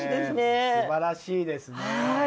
すばらしいですね。